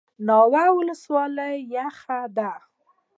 ناور ولسوالۍ ولې یخه ده؟